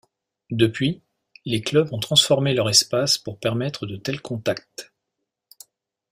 Depuis, les clubs ont transformé leur espace pour permettre de tels contacts.